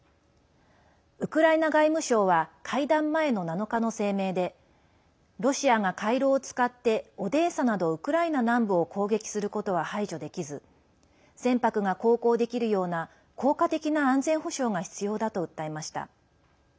ウクライナ外務省は会談前の７日の声明でロシアが回廊を使ってオデーサなどウクライナ南部を攻撃することは排除できず船舶が航行できるような効果的な安全保障が必要だと訴えました。